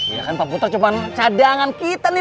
ya kan pak putra cuman cadangan kita nih